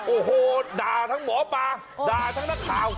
โอ้โหด่าทั้งหมอปลาด่าทั้งนักข่าว